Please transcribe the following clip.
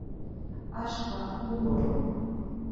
Aşǩva mu gorum.